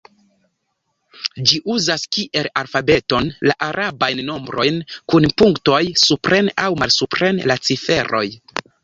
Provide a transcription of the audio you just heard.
Ĝi uzas kiel alfabeton la arabajn nombrojn kun punktoj supren aŭ malsupren la ciferoj.